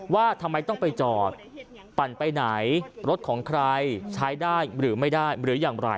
ว่าทำไมต้องไปจอดปั่นไปไหนรถของใครใช้ได้หรือไม่ได้หรืออย่างไร